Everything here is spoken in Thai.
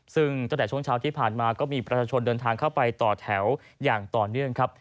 ซึ่งตั้งแต่ช่วงเช้าที่ผ่านมาก็มีประชาชนเดินทางเข้าไปต่อแถวอย่างต่อเนื่องครับ